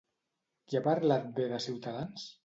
Qui ha parlat bé de Ciutadans?